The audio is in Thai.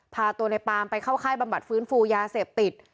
พาตัวในปามไปเข้าค่ายบำบัดฟื้นฟูยาเสพติด